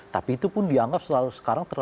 tapi itu pun dianggap selalu sekarang